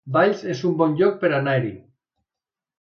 Valls es un bon lloc per anar-hi